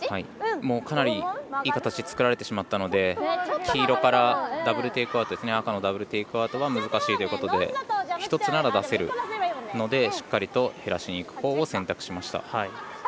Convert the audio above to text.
もうかなりいい形作られてしまったので黄色からダブル・テイクアウトは難しいということで１つなら出せるのでしっかりと減らしにいくほうを選択しました。